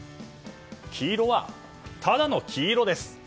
黄色はただの黄色です。